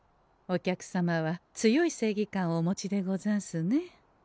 お客様は強い正義感をお持ちでござんすね。